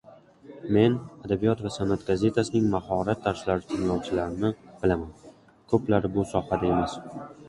"Men "Adabiyot va san'at" gazetasining mahorat darslari tinglovchilarini bilaman, kòplari bu sohada emas"